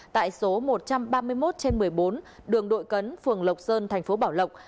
tại số một trăm ba mươi một trên một mươi bốn đường đội cấn phường lộc sơn thành phố bảo lộc